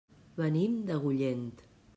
Venim d'Agullent.